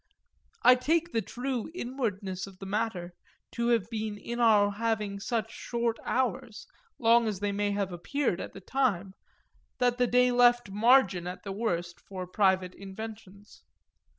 I take the true inwardness of the matter to have been in our having such short hours, long as they may have appeared at the time, that the day left margin at the worst for private inventions.